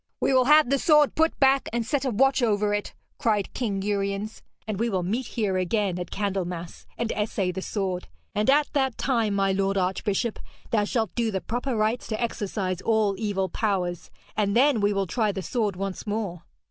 'We will have the sword put back and set a watch over it,' cried King Uriens, 'and we will meet here again at Candlemas, and essay the sword. And at that time, my lord archbishop, thou shalt do the proper rites to exorcise all evil powers, and then we will try the sword once more.'